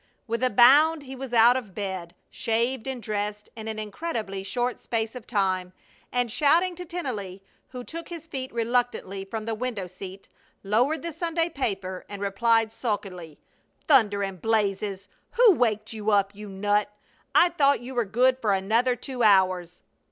With a bound he was out of bed, shaved and dressed in an incredibly short space of time, and, shouting to Tennelly, who took his feet reluctantly from the window seat, lowered the Sunday paper, and replied, sulkily: "Thunder and blazes! Who waked you up, you nut! I thought you were good for another two hours!"